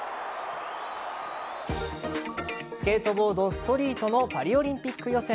スケートボード・ストリートのパリオリンピック予選。